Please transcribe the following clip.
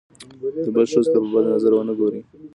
د بل ښځو ته په بد نظر ونه ګوري.